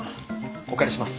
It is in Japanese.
お借りします。